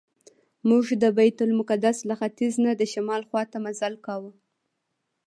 موږ د بیت المقدس له ختیځ نه د شمال خواته مزل کاوه.